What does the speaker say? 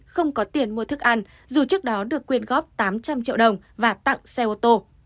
không có tiền mua thức ăn dù trước đó được quyền góp tám trăm linh triệu đồng và tặng xe ô tô